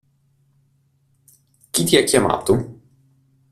Chi ti ha chiamato?